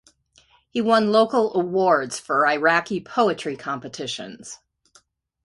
He won local awards for Iraqi poetry competitions.